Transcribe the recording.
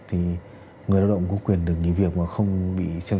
thì người lao động có quyền được nghỉ việc và không bị xe tăng